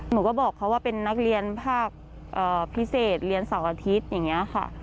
หนูก็บอกเขาว่าเป็นนักเรียนภาคพิเศษเรียนเสาร์อาทิตย์อย่างนี้ค่ะ